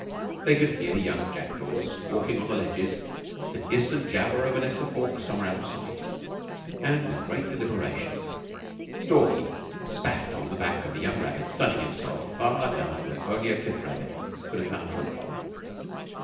They could hear young jackdaws squawking on the ledges, the hiss and jabber of a nest of hawks somewhere out of sight; and, with great deliberation, Stalky spat on to the back of a young rabbit sunning himself far down where only a cliff rabbit could have found foot hold.